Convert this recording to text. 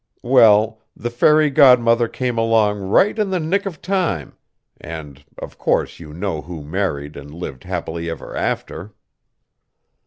Well, the fairy godmother came along right in the nick of time and, of course, you know who married and lived happily ever after?"